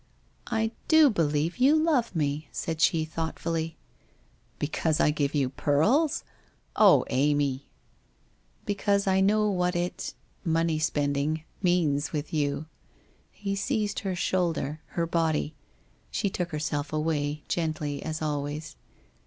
' I do believe you love me/ said she thoughtfully. 1 Because I give you pearls ? Oh, Amy !' 1 Because I know what it — money spending — means with you/ He seized her shoulder, her body. She took herself away gently, as always.